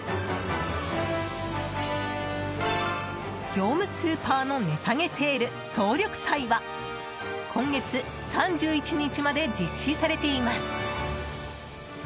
業務スーパーの値下げセール総力祭は今月３１日まで実施されています。